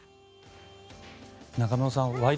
中室さん「ワイド！